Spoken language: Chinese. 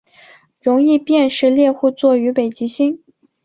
容易辨识猎户座与北极星